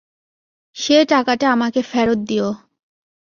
সে টাকাটা আমাকে ফেরত দিয়ো।